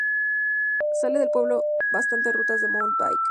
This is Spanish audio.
Sale del pueblo bastantes rutas de Mountain Bike.